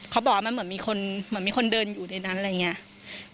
เขาบอกว่ามันเหมือนมีคนเดินอยู่ในนั้นอะไรอย่างนี้